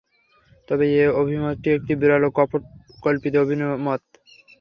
তবে এ অভিমতটি একটি বিরল ও কপট কল্পিত অভিমত।